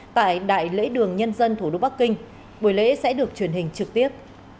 tại đại lễ đường nhân dân thủ đô bắc kinh buổi lễ sẽ được truyền hình trực tiếp